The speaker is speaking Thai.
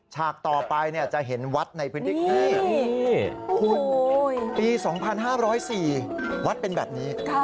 ฉากต่อไปจะเห็นวัดในพื้นที่ปี๒๕๐๔วัดเป็นแบบนี้